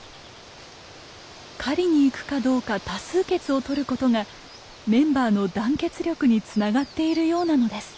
狩りにいくかどうか多数決をとることがメンバーの団結力につながっているようなのです。